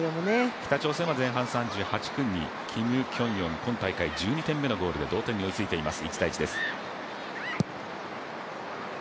北朝鮮は前半３８分にキム・キョンヨン、今大会１２点目のゴールで同点に追いついています。